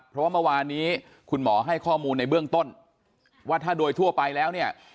เพราะว่าเมื่อวานนี้คุณหมอให้ข้อมูลในเบื้องต้นว่าถ้าโดยทั่วไปแล้วเนี่ย